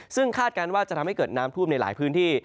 ซึ่งคาดการณ์ว่าจะทำให้เกิดน้ำท่วมในหลายพื้นที่